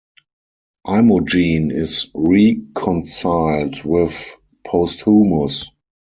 Imogen is reconciled with Posthumus.